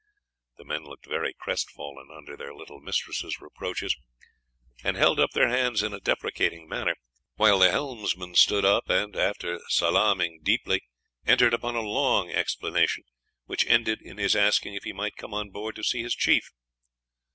'The men looked very crestfallen under their little mistress' reproaches, and held up their hands in a deprecating manner; while the helmsman stood up and, after salaaming deeply, entered upon a long explanation, which ended in his asking if he might come on board to see his chief.